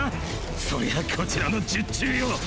そりゃこちらの術中よ！